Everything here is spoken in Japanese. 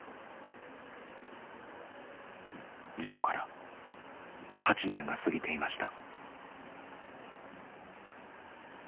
事故から８年が過ぎていました。